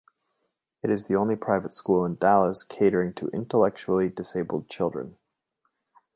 It is the only private school in Dallas catering to intellectually disabled children.